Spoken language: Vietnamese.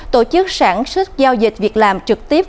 tổ chức sản xuất giao dịch việc làm trực tiếp